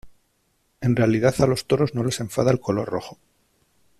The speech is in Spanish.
En realidad a los toros no les enfada el color rojo.